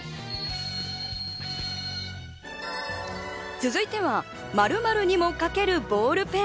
続いては○○にも書けるボールペン。